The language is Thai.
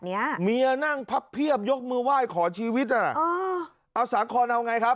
เนี้ยเมียนั่งพับเพียบยกมือไหว้ขอชีวิตนั่นน่ะอ๋อเอาสาครเอาไงครับ